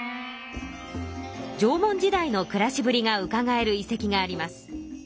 縄文時代の暮らしぶりがうかがえる遺跡があります。